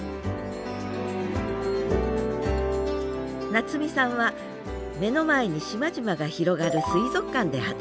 七海さんは目の前に島々が広がる水族館で働いています。